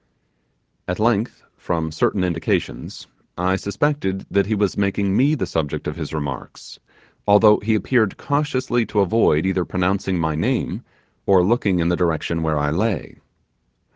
At length, from certain indications, I suspected that he was making me the subject of his remarks, although he appeared cautiously to avoid either pronouncing my name, or looking in the direction where I lay.